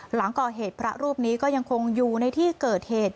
หลังก่อเหตุพระรูปนี้ก็ยังคงอยู่ในที่เกิดเหตุ